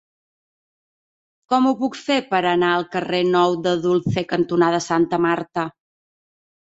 Com ho puc fer per anar al carrer Nou de Dulce cantonada Santa Marta?